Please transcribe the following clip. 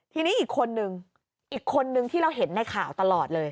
ทีนี้อีกคนนึงอีกคนนึงที่เราเห็นในข่าวตลอดเลย